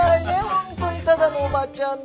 本当にただのおばちゃんで。